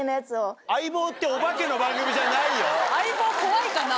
『相棒』怖いかな？